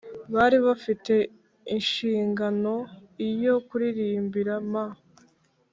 Bari bafite inshinganol yo kuririmbira m